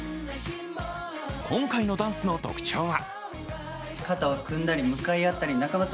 今回のダンスの特徴は？